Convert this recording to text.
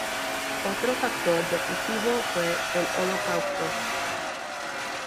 Otro factor decisivo fue el Holocausto.